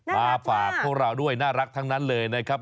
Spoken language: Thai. มาฝากพวกเราด้วยน่ารักทั้งนั้นเลยนะครับ